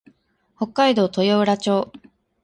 北海道豊浦町